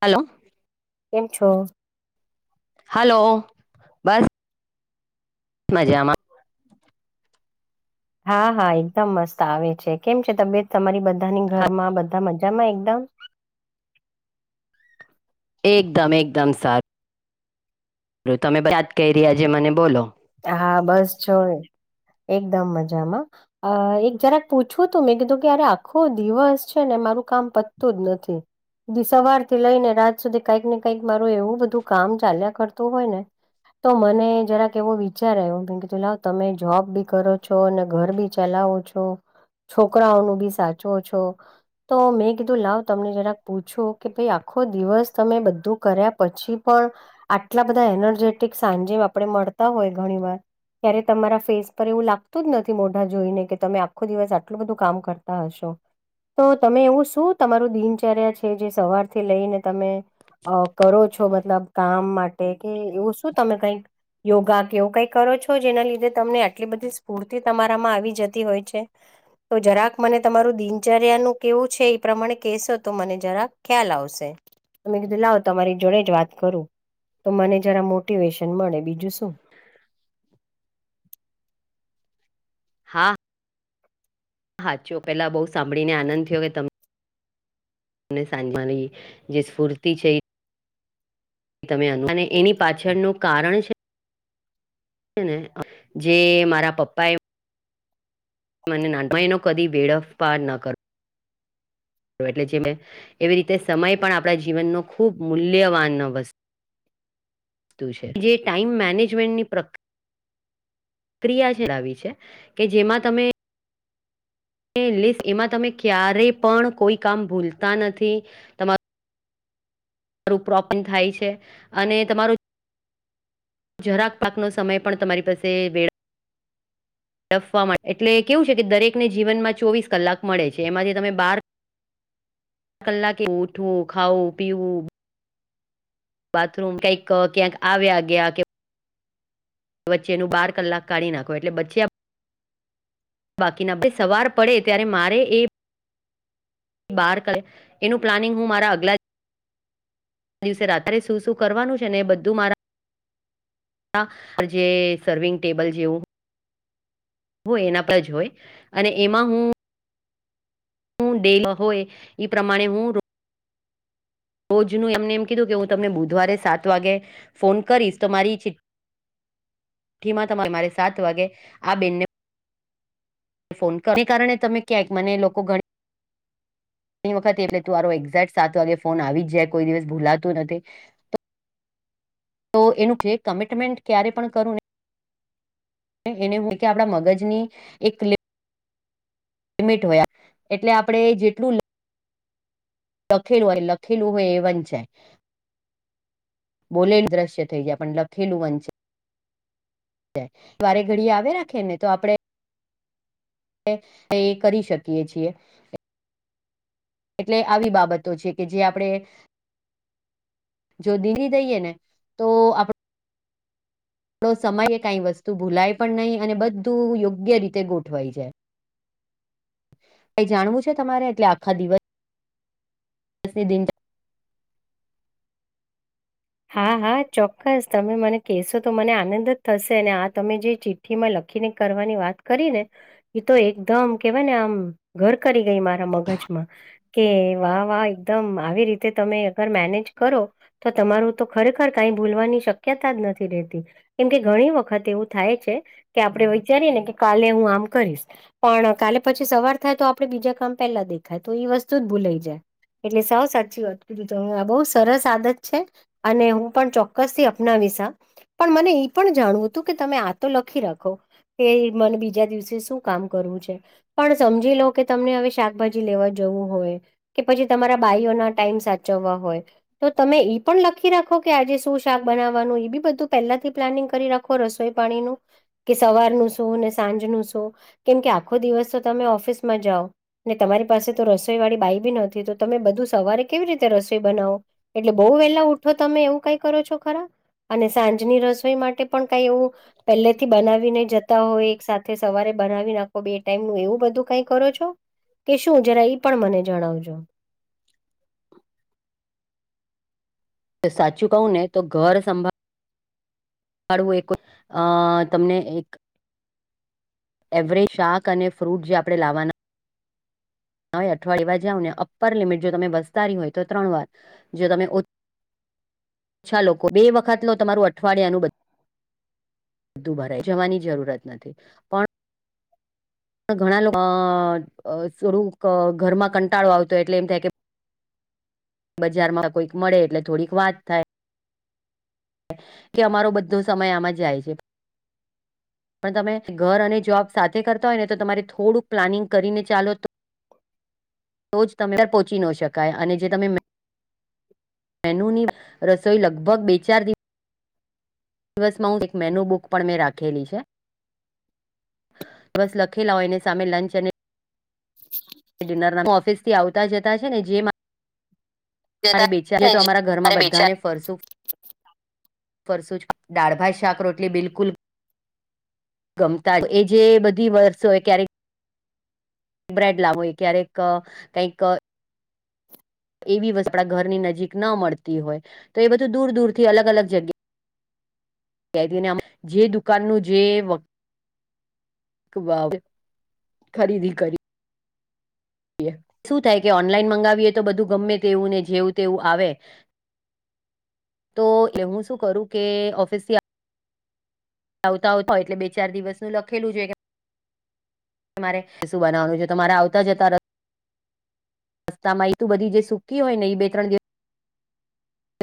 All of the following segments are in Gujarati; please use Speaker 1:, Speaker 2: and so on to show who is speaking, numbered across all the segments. Speaker 1: હલો.
Speaker 2: કેમ છો?
Speaker 1: હલો, બસ મજામાં.
Speaker 2: હા હા એકદમ મસ્ત આવે છે. કેમ છે તબિયત તમારી બધાની ઘરમાં બધા મજામાં એકદમ?
Speaker 1: એકદમ એકદમ સા રુ તમે યાદ કઇરી આજે મને બોલો.
Speaker 2: હા બસ જોય એકદમ મજામાં. અ એક જરાક પૂછવું તું મેં કીધું કે અરે આખો દિવસ છે ને મારું કામ પતતું જ નથી. દિ સવાર થી લઈ ને રાત સુધી કઈક ને કઈક મારું એવું બધું કામ ચાલ્યા કરતું હોય ને તો મને જરાક એવો વી ચાર આઈવો કેમ કે તમે જોબ બી કરો છો અને ઘર બી ચલાવો છો. છોકરાઓનું બી સાચવો છો. તો મેં કીધું લાવ તમને જરાક પૂછું કે ભાઈ આખો દિવસ તમે બધું કર્યા પછી પણ આટલા બધા એનર્જેટિક સાંજે આપણે મળતા હોય ઘણી વાર ત્યારે તમારા ફેસ પર એવું લાગતું જ નથી મોઢા જોઈને કે તમે આખો દિવસ આટલું બધું કામ કરતા હશો. તો તમે એવું શું તમારું દિનચર્યા છે જે સવારથી લઈને તમે અ કરો છો મતલબ કામ માટે કે એવું શું તમે કઈક યોગા કે એવું કઈ કરો છો જેના લીધે તમને આટલી બધી સ્ફૂર્તિ તમારામાં આવી જતી હોય છે? તો જરાક મને તમારું દિનચર્યાનું કેવું છે એ પ્રમાણે કેશો તો મને જરાક ખ્યાલ આવશે. તો મેં કીધું લાવ તમારી જોડે જ વાત કરું તો મને જરા મોટિવેશન મળે બીજું શું.
Speaker 1: હા. હાચો પેલા બઉ સાંભળી ને આનંદ થયો કે તમ ને સાંજમાની જે સ્ફૂર્તિ છે. ઈ તમે અનમાને એની પાછળનું કારણ છે. ને જે મારા પપ્પા એ મને ના માં એનો કદી વેડફ પાર ન કર એટલે જે એવી રીતે સમય પણ આપણા જીવનનો ખુબ મૂલ્યવાન વસ્ તું છે. જે ટાઈમ મેનેજમેન્ટની પ્ર ક્રિયા ચલાવી છે કે જેમાં તમે લેસ એમાં તમે ક્યારે પણ કોઈ કામ ભૂલતા નથી, તમા પ્રોપોપન થાય છે અને તમારું જરાક પાકનો સમય પણ તમારી પાસે વેળા ડફવા માં એટલે કેવું સે કે દરેકને જીવનમાં ચોવીસ કલાક મળે છે. એમાંથી તમે બાર કલાકે ઉઠવું, ખાઊ, પીવું.. બાથરૂમ કઈક ક્યાંક આવ્યા ગયા કે વચ્ચેનું બાર કલાક કાઢી નાખો એટલે બચ્યા બાકીના બે સવાર પડે ત્યારે મારે એ બાર કર. એનું પ્લાનિંગ હું મારા અગલા આ દિસે રાત્રે શું શું કરવાનું છે ને બધું મારા આહ.. જે સર્વિંગ ટેબલ જેવું. હો એના પ્રજ હોય અને એમાં હું.. હું ડે હોય ઈ પ્રમાણે હું.. રોજનું એમને એમ કીધું કે હું તમને બુધવારે સાત વાગે ફોન કરી. તો મારી ચિ કીમા તમારે સાત વાગે આ બેનને ફોન કર, ઈ કારણે તમે ક્યાંક મને લોકો ઘણી ણી વખતે એટલે તુઆરો એક્ઝેક્ટ સાત વાગે ફોન આવી જ જાય કોઈ દિવસ ભૂલાતુ નથી. તો એનું [unintelligible] કમિટમેન્ટ ક્યારે પણ કરું ને.. એને હે કે આપણા મગજ ની એક લિ મિટ હોય એટલે આપણે જેટલું... લખેલું હોય લખેલું હોય એ વંચાય. બોલેલ દ્રશ્ય થઈ જાય પણ લખેલુ વંચા ય વારે ઘડીએ આવે રાખે ને તો આપડે. એ. એ કરી શકીએ છીએ. એટલે આવી બાબતો છે કે જે આપણેે... જો દીલી દઈએ ને તો આપડ... આપડો સમયે કાંઈ વસ્તુ ભૂલાય પણ નહી અને બધું યોગ્ય રીતે ગોઠવાઈ જાય. કંઈ જાણવું છે તમારે એટલે આખા દિવસ દીસ ની દિનચ
Speaker 2: હા હા ચોક્કસ તમે મને કેસો તો મને આનંદ જ થસે ને આ તમે જે ચિ ઠ્ઠીમાં લખીને કરવાની વાત કરી ને... ઈ તો એકદમ કેવાય ને આમ ઘર કરી ગઈ મારા મગજમાં. કે વાહ! વાહ! એકદમ આવી રીતે તમે અગર મેનેજ કરો તો તમારું તો ખરેખર કઈ ભૂલવાની શક્યતા જ નથી રહેતી. કેમ કે ઘણી વખત એવુ થાય છે કે આપડે વિચારીએ ને કે કાલે હું આમ કરીસ. પણ કાલે પછી સવાર થાય તો આપડે બીજા કામ પેલા દેખાય તો ઈ વસ્તુ જ ભૂલાઈ જાય. એટલે સાવ સાચી વાત કીધું તમે, આ બહુ સરસ આદત છે. અને હું પણ ચોક્કસથી અપનાવીસ હ. પણ મને ઈ પણ જાણવુ તું કે તમે આ તો લખી રાખો. એઈ મને બીજા દિવસે સુ કામ કરવુ છે? પણ સમજી લો કે તમને હવે શાકભાજી લેવા જવું હોય. કે પછી તમારા બાાઈઓ ના ટાઈમ સાચવવા હોય તો તમે ઈ પણ લ ખી રાખો કે આજે શું શાક બનાવવાનું એ બી બધું પહેલાથી પ્લાનિંગ કરી રાખો રસોઈ પાણીનું કે સવારનુ શું? ને સાંજ નું શું? કેમ કે આખો દિવસ તો તમે ઓફિસમાં જાવ. ને તમારી પાસે તો રસોઈ વાળી બાઈ બી નથી. તો તમે બધું સવારે કેવી રીતે રસોઈ બનાવો? એટલે બઉ વેલા ઉઠો તમે એવુ કઈ કરો છો ખરા અને સાંજની રસોઈ માટે પણ કાઈ એવું પલેથી બનાવીને જતા હોય સાથે સવારે બનાવી ના બે ટાઈમ નુ એવું બધું કઈ કરો છો? કે શું જરા એ પણ મને જણાવજો
Speaker 1: તો સાચું કહું ને તો ઘર સંભા ળવું એકો અ તમને એક એવરેજ શાક અને ફ્રૂટ જે આપણે લાવવાના ના હોવે અઠવાડિયે જાઓ ને અપ્પર લિમિટ જો તમે વસ્તાારી હોય તો ત્રણ વાર જો તમે છા લોકો બે વખત લો તમારું અઠવાડિયાનું બ બધું ભરાય જવાની જરૂરત નથી પણ પણ ઘણા લો અ અ થોડું ઘરમાં કંટાળો આવતો એટલે એમ થાય કે. બજારમાં કોઈક મળે એટલે થોડીક વાત થાય કે અમારો બધો સમય આમાં જાય છે, પણ તમે ઘર અને જોબ સાથે કરતા હોય ને તો તમારે થોડુંક પ્લાનિંગ કરીને ચાલો તો જ તમે પહોંચી ન શકાય અને જે તમે મેનુની રસોઈ લગભગ બે ચાર દિ વસમાં હુ એક મેન્યુ બુક પણ મેં રાખેલી છે. બસ લખેલા હોયને સામે લંચ અને
Speaker 2: હ.
Speaker 1: ડિરના ઓફીસ થી આવતા જતા છે, ને જે અમારા ઘરમાં બધાને ફરસું ફરસું જ દાળભાાઈ શાક રોટલી બિલકુલ ગમતા જ એ જે બધી વર્ષો ક્યારેક બ્રેડ લાવોય ક્યારેક કઈક એવી વસ્તુ આપડા ઘરની નજીક ન મળતી હોય તો એ બધું દૂર દૂર થી અલગ અલગ જગ્યા કેરીને જે દુકાન નું જે [unintelligible] ખરીદી કરી શું થાય કે ઓનલાઈન મંગાવીએ તો બધું ગમે તેવું ને જેવું તેવું આવે તો એ હું શું કરું કે ઓફિસ થી આવતા આવતા હોય એટલે બે ચાર દિવસ નું લખેલું જ હોય કે તમારે શું બનાવાનું છે, તમારે આવતા જતા તામા એ બધ જે સુકી હોય ને એ બે ત્રણ દિ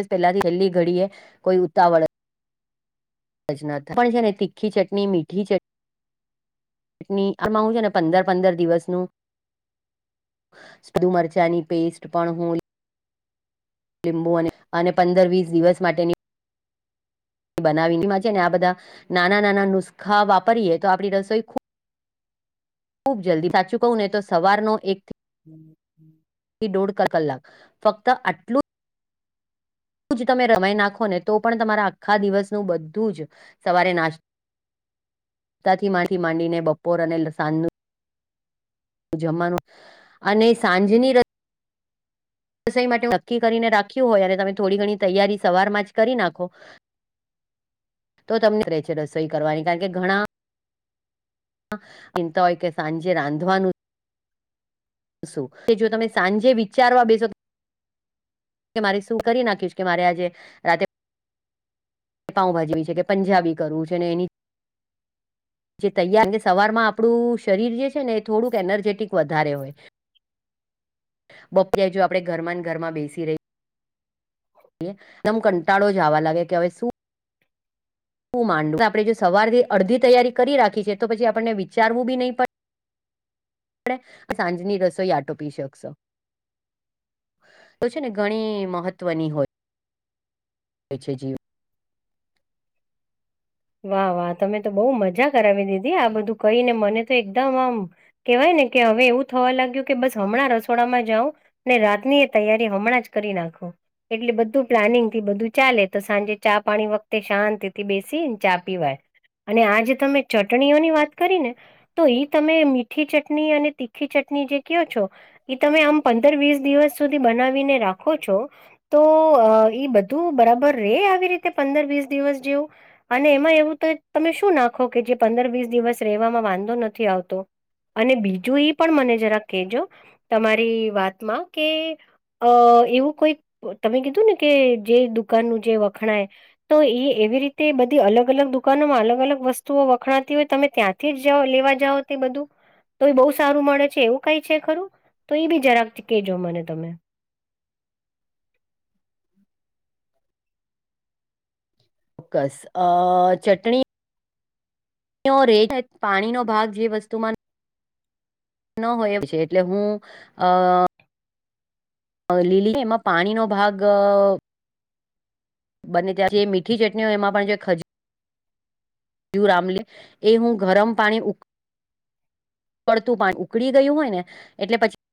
Speaker 1: સ પેહલા થી છેલ્લી ઘડી એ કોઈ ઉતાવળ જ ના પણ તીખી ચટણી મીઠી ચ ટની આ માંગુ ને પંદર પંદર દિવસનું સીધું મરચાની પેસ્ટ પણ હુ લીંબુ અને પંદર વીસ દિવસ માટેની બનાવી છે, ને આ બધા નાના નાના નુસ્ખા વાપરીએ તો આપડી રસોઈ ખુ ખુબ જલ્દી સાચું કહું ને તો સવાર નો એક
Speaker 2: હમ હમ.
Speaker 1: થી દોઢ કલાક ફક્ત આટલું તમે રમાઈ નાખો ને તો પણ તમારા આખા દિવસનું બધું જ સવારે નાસ તાથી માંથી માંડીને બપોર અને લસાનું જમાનું અને સાંજની ર રસોઈ માટે નક્કી કરીને રાખ્યું હોય અને તમે થોડી ઘણી તૈયારી સવારમાં જ કરી નાખો તો તમને કરે છે, રસોઈ કરવાની કારણ કે ઘણા ચિંતા હોય કે સાંજે રાંધવાનું શું કે જો તમે સાંજે વિચારવા બેસો કે મારે શું કરી નાખીશ કે મારે આજે રાતે. પાઉભાજીવી છે, કે પંજાબી કરવું છે, ને એની જે તૈયાર સવારમાં આપણું શરીર જે છે, ને એ થોડું એનર્જેટિક વધારે હોય બપી જો આપણે ઘરમાંન ઘરમાં બેસી ર દમ કંટાળો જવા લાગે કે હવે શું શું માંડ આપણે જો સવારથી અડધી તૈયારી કરી રાખી છીએ તો પછી આપણને વિચારવું બી નહીં પડે આપડણે સાંજની રસોઈયાટો પી શકશો. તો છે ને ઘણી મહત્વની હોય. પ છે જી
Speaker 2: વાહ વાહ તમે તો બહુ મજા કરાવી દીદી આ બધું કહીને મને તો એકદમ આમ કેહેવાય ને કે હવે એવું થવા લાગ્યું કે બસ હમણાં રસોડામાં જવ ને રાતની એ તૈયારી હમણાં જ કરી નાખો. એટલે બધું પ્લાનિંગ થી બધું ચાલે તો સાંજે ચા પાણી વખતે શાંતિ થી બેસી ચા પીવાય અને આજે તમે ચટણીઓની વાત કરી ને તો ઈ તમે મીઠી ચટણી અને તીખી ચટણી જે કહો છો. એ તમે આમ પંદર વીસ દિવસ સુધી બનાવીને રાખો છો. તો ઈ બધું બરાબર રે આવી રીતે પંદર વીસ દિવસ જેવું. અને એમાં એવું તો તમે શું નાખો કે જે પંદર વીસ દિવસ રહેમાં વાંધો નથી આવતો. અને બીજું ઈ પણ મને જરા કહેજો તમારી વાતમાં કે અ એવું કોઈક તમે કીધું ને કે જે દુકાનનું જે વખણાય તો એ એવી રીતે બધ ધી અલગ અલગ દુકાનોમાં અલગ અલગ વસ્તુઓ વખણાતી હોય તમે ત્યાંથી જ લેવા જાઓ તે બધું તો એ બહુ સારું મળે છે એવું કઈ છે ખરું તો એ બી જરાકથી કહેજો મને તમે.
Speaker 1: ચોક્કસ અ ચટણી નોરેટ પાણીનો ભાગ જે વસ્તુમાં ન હોય એ છે એટલે હું અ લીલી એમાં પાણીનો ભાગ બને ત્યાં જે મીઠી ચટણીઓ એમાં પણ જે ખજ ખજુર આમલી એ હું ગરમ પાણી પડતું પાણી ઉકળી ગયું હોય ને એટલે પછી.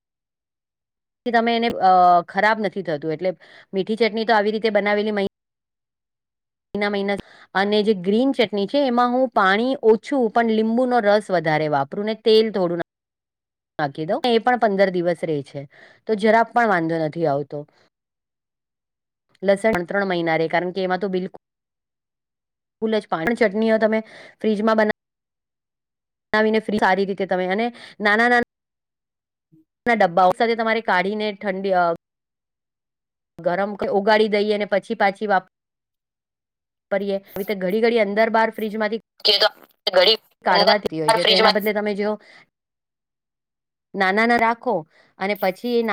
Speaker 1: તમે એને અ ખરાબ નથી થતું એટલે મીઠી ચટણી તો આવી રીતે બનાવેલી મહી મહિના મહિના અને જે ગ્રીન ચટણી છે એમાં હું પાણી ઓછું પણ લીંબુનો રસ વધારે વાપરું ને તેલ થોડું ના નાખી દઉં એ પણ પંદર દિવસ રહે છે. તો જરાબ પણ વાંધો નથી આવતો. લસણ ત્રણ ત્રણ મહિના કારણ કે એમાં તો બિલકુ ભૂલે પા ચટણીઓ તમે ફ્રીજમાં બના નાવી ને ફ્રી સારી રીતે તમે નાના નાના
Speaker 2: [inaudible]
Speaker 1: ના ડબ્બા સાથે તમારે કાઢી ને ઠંડી ગરમ ઓગાળી દઈએને પછી પાછી વાપ કરીએ એ ઘડી ઘડી અંદર બાર ફ્રીજ માંથી
Speaker 2: કે તો ઘડી
Speaker 1: કાઢવાતી હોય છે તો એના બદલે તમે જો નાના ના રાખો અને પછી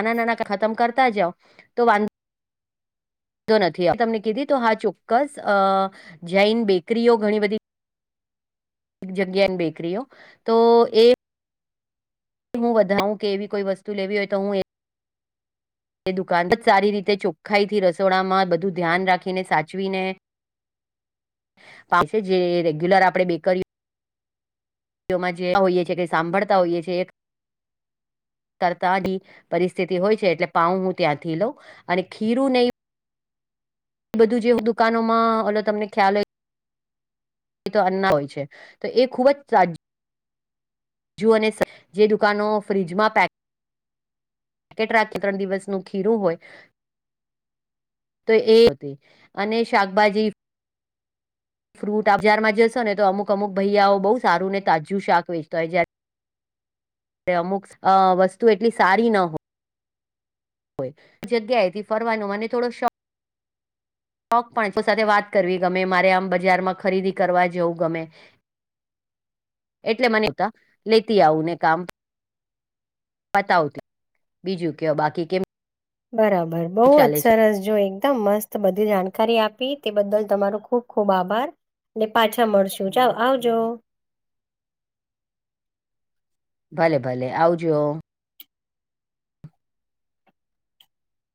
Speaker 1: નાના નાના ખતમ કરતા જાવ તો વાંધો તો નથી તમને કીધી તો હા ચોક્કસ અ જૈન બેકરીઓ ઘણી બધી જગ્યા એન બેકરીઓ તો એ હું વધારે કે એવી કોઈ વસ્તુ લેવી હોય તો હું એ. એ દુકાન, પણ સારી રીતે ચોખ્ખાઈ થી રસોડામાં બધું ધ્યાન રાખીને સાચવીને
Speaker 2: [inaudible]
Speaker 1: છે જે રેગ્યુલર આપે બેકરી તો માં જે હોઈએ કે સાંભળતા હોઈએ છીએ એક તતાની પરિસ્થિતિ હોય છે એટલે પાઉ હું ત્યાંથી લઉં અને ખીરું નહી એ બધું જેવ દુકાનોમાં અલ તમને ખ્યાલ હોય. તો અન્ના હોય છે, તો એ ખુબ જ તા જોવા ની, અને જે દુકાનો ફ્રીજમાં પેક પેકેટ રાખી ત્રણ દિવસ નું ખીરું હોય. તો એ અને શાકભાજી ફ્રૂટ, અજારમાં જશો ને અમુક અમુક ભૈયાઓ બઉ સારું ને તાજુ શાક વેચતા હોય, જય્યાર અમુક અ વસ્તુ ઓ એટલી સારી ન હોય. જગ્યા એથી ફરવાનો મને થોડો શો માપણસો સાથે વાત કરવી ગમે, મારે આમ બજારમાં ખરીદી કરવા જવું ગમે. એટલે મને લેતી આવું ને કામ પતાવતી, બીજું કેવો બાકી કેમ
Speaker 2: બરાબર, બઉુ જ
Speaker 1: ચાલે છે
Speaker 2: સરસ જોઈ. એકદમ મસ્ત બધી જાણકારી આપી તે બદલ તમારો ખુબ ખુબ આભાર ને પાછા મળશુ, ચલો આવજો
Speaker 1: ભલે ભલે આવજો.